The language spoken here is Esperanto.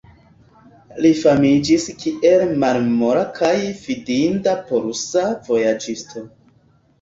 Li famiĝis kiel malmola kaj fidinda polusa vojaĝisto.